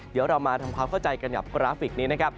เดี๋ยวเรามาทำความเข้าใจกันกับกราฟิกนี้นะครับ